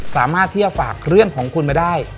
สามารถที่จะฝากเรื่องของคุณมาได้